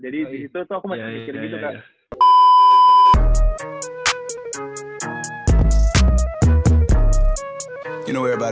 jadi disitu tuh aku mikir gitu kak